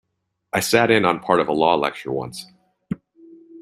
I sat in on part of a law lecture once.